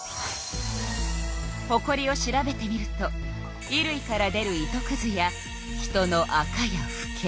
ほこりを調べてみると衣類から出る糸くずや人のアカやフケ。